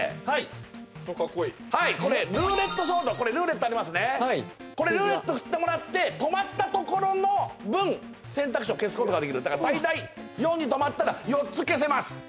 はいこれルーレットソードこれルーレットありますねこれルーレット振ってもらって止まったところの分選択肢を消すことができるだから最大４に止まったら４つ消せます！